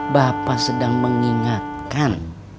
bapak sedang mengingatkan